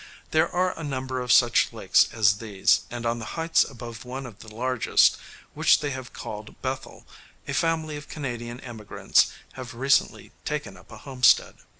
There are a number of such lakes as these, and on the heights above one of the largest, which they have called Bethel, a family of Canadian emigrants have recently "taken up a homestead."